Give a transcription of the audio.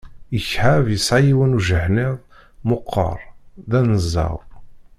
Ikɛeb yesɛa yiwen ujeḥniḍ meqqer, d aneẓẓaw.